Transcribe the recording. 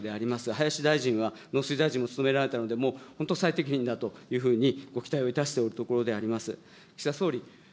林大臣は、農水大臣も務められたので、もう最適というふうにご期待をいたしておるところであります。